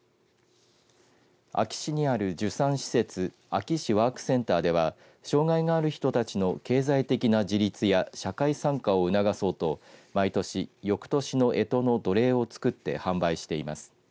安芸市にある授産施設安芸市ワークセンターでは障害がある人たちの経済的な自立や社会参加を促そうと毎年よくとしのえとの土鈴を作って販売しています。